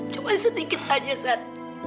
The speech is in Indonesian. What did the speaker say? cuman sedikit saja sat